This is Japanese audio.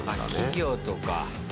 企業とか。